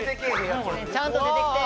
ちゃんと出てきて！